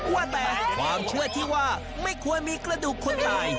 ว่าแต่ความเชื่อที่ว่าไม่ควรมีกระดูกคนตาย